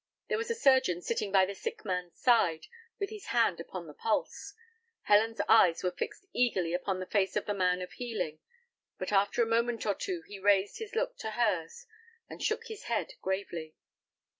There was a surgeon sitting by the sick man's side, with his hand upon the pulse, Helen's eyes were fixed eagerly upon the face of the man of healing, but after a moment or two he raised his look to hers, and shook his head gravely.